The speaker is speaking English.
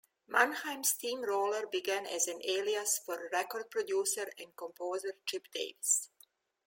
Mannheim Steamroller began as an alias for record producer and composer Chip Davis.